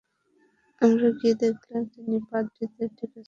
আমরা গিয়ে দেখলাম, তিনি পাদ্রীদের ডেকেছেন।